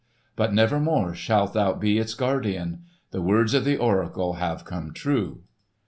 But nevermore shalt thou be its Guardian. The words of the oracle have come true.